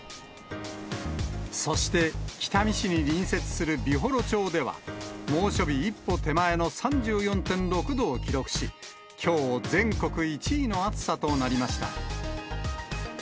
そして、北見市に隣接する美幌町では、猛暑日一歩手前の３４．６度を記録し、きょう、全国１位の暑さとなりました。